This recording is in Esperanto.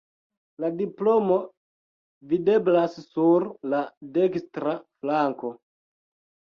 La diplomo videblas sur la dekstra flanko.